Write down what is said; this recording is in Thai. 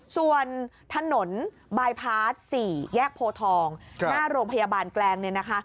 ส่วนถนนบายพาร์ท๔แยกโพทองหน้าโรงพยาบาลแกลงเนี่ยนะคะ